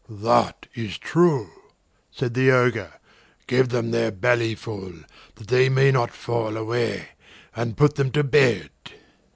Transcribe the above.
"That is true," said the Ogre, "give them their belly full, that they may not fall away, and put them to bed."